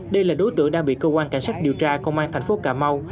đây là đối tượng đang bị cơ quan cảnh sát điều tra công an thành phố cà mau